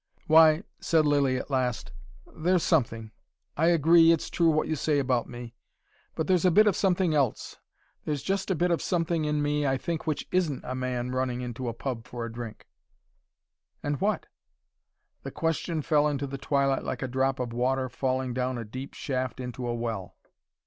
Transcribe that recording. "Why," said Lilly at last, "there's something. I agree, it's true what you say about me. But there's a bit of something else. There's just a bit of something in me, I think, which ISN'T a man running into a pub for a drink " "And what ?" The question fell into the twilight like a drop of water falling down a deep shaft into a well.